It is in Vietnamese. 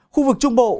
khu vực trung bộ